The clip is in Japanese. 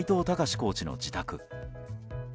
コーチの自宅。